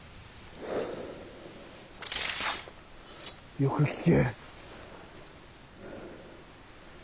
よく聞け。